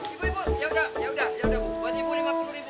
ibu ibu yaudah iya udah iya udah bu buat ibu rp lima puluh mau gak bu